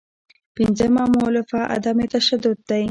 پنځمه مولفه عدم تشدد دی.